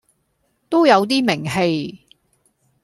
都有啲名氣